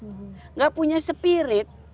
tidak punya spirit